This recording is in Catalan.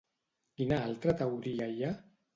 Quina altra teoria hi ha?